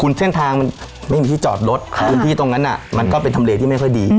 คุณเส้นทางมันไม่มีที่จอดรถพื้นที่ตรงนั้นมันก็เป็นทำเลที่ไม่ค่อยดี